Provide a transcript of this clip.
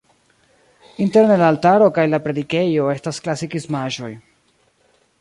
Interne la altaro kaj la predikejo estas klasikismaĵoj.